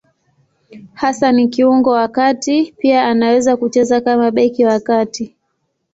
Hasa ni kiungo wa kati; pia anaweza kucheza kama beki wa kati.